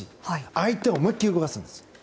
相手を思いきり動かすんです。